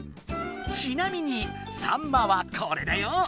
ちなみにさんまはこれだよ！